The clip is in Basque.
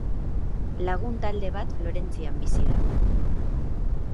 Lagun talde bat Florentzian bizi da.